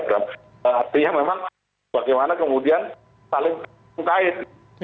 artinya memang bagaimana kemudian saling mengkait